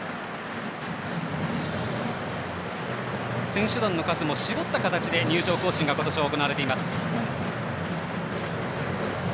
選手団の数も絞った形で入場行進が今年は行われています。